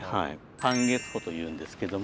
半月堡というんですけども。